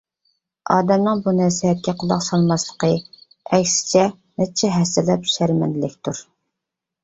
ئادەمنىڭ بۇ نەسىھەتكە قۇلاق سالماسلىقى، ئەكسىچە نەچچە ھەسسىلەپ شەرمەندىلىكتۇر.